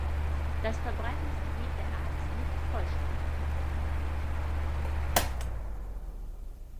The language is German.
Das Verbreitungsgebiet der Art ist nicht vollständig bekannt.